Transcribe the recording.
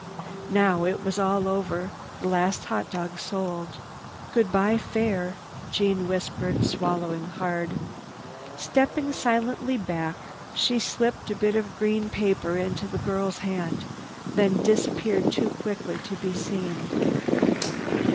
Now it was all over—the last hot dog sold. "Goodbye Fair," Jeanne whispered, swallowing hard. Stepping silently back, she slipped a bit of green paper into the girl's hand, then disappeared too quickly to be seen.